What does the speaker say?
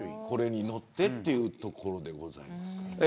これに乗ってっていうところでございます。